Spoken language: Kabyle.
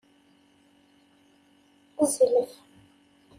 Zlef.